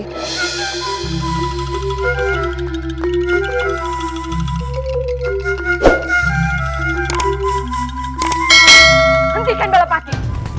hentikan balap hati